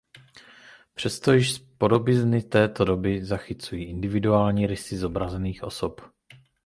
Přesto již podobizny z té doby zachycují individuální rysy zobrazených osob.